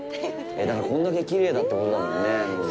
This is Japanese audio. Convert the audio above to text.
だから、こんだけきれいだってことだもんね、水が。